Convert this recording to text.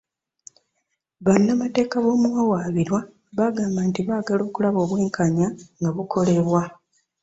Bannamateeka b'omuwawaabirwa baagamba nti baagala okulaba obwenkanya nga bukolebwa.